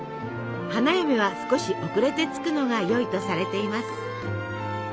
花嫁は少し遅れて着くのがよいとされています。